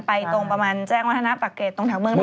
ตรงประมาณแจ้งวัฒนาปรักเกรดตรงแถวเมืองไทย